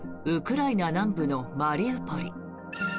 ウクライナ南部のマリウポリ。